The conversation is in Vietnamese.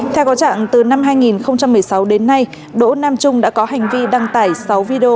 theo có trạng từ năm hai nghìn một mươi sáu đến nay đỗ nam trung đã có hành vi đăng tải sáu video